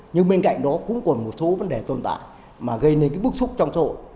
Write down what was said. nhưng bên cạnh đó cũng còn một số vấn đề tồn tại mà gây nên cái bức xúc trong xã hội